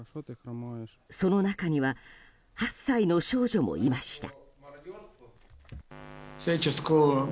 その中には８歳の少女もいました。